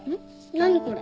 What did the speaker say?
何これ。